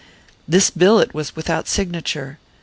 _" This billet was without signature.